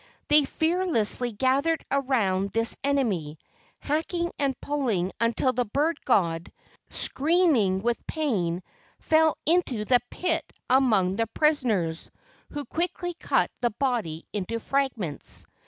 They fearlessly gathered around this enemy, hacking and pulling until the bird god, screaming with pain, fell into the pit among the prisoners, who quickly cut the body into fragments.